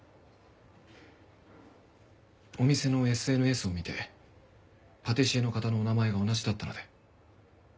お店のＳＮＳを見てパティシエの方のお名前が同じだったので。